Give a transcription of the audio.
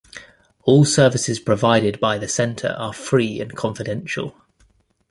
All services provided by the center are free and confidential.